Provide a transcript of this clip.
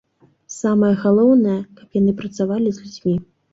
Самае галоўнае, каб яны працавалі з людзьмі.